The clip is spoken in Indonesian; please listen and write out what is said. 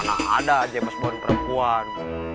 nah ada james bond perempuan